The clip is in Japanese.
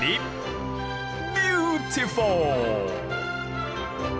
ビューティフォー！